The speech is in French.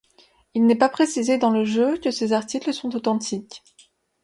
Il n'est pas précisé dans le jeu que ces articles sont authentiques.